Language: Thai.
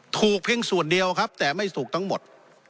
เพียงส่วนเดียวครับแต่ไม่ถูกทั้งหมด